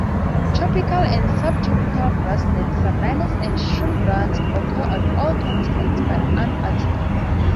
Tropical and subtropical grasslands, savannas, and shrublands occur on all continents but Antarctica.